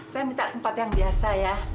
saya minta tempat yang biasa ya